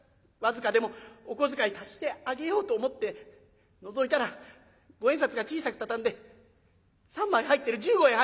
僅かでもお小遣い足してあげようと思ってのぞいたら五円札が小さく畳んで３枚入ってる１５円入ってる。